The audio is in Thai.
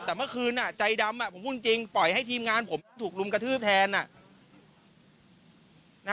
แต่เมื่อคืนใจดำผมพูดจริงปล่อยให้ทีมงานผมถูกรุมกระทืบแทน